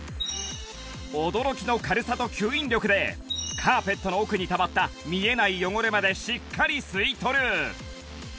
驚きの軽さと吸引力でカーペットの奥にたまった見えない汚れまでしっかり吸い取る！